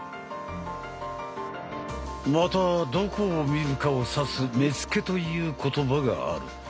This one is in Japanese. またどこを見るかを指す「目付」という言葉がある。